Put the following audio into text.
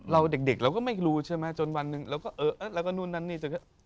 เด็กเราก็ไม่รู้ใช่ไหมจนวันหนึ่งเราก็เออแล้วก็นู่นนั่นนี่จน